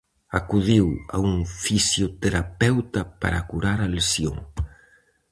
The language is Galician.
Acudiu a un fisioterapeuta para curar a lesión.